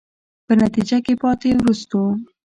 په نتیجه کې پاتې، وروستو.